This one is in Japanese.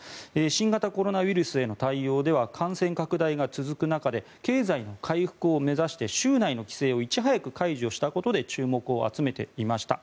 新型コロナウイルスへの対応では感染拡大が続く中で経済の回復を目指して州内の規制をいち早く解除したことで注目を集めていました。